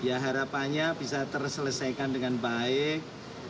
ya harapannya bisa terselesaikan dengan baik